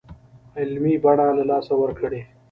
علمي بڼه له لاسه ورکړې.